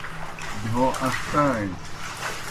بہیو ان٘ݜٹائیں۔